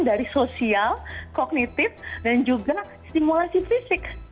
dari sosial kognitif dan juga simulasi fisik